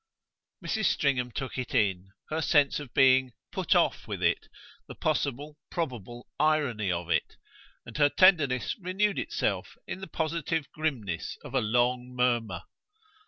Mrs. Stringham took it in her sense of being "put off" with it, the possible, probable irony of it and her tenderness renewed itself in the positive grimness of a long murmur.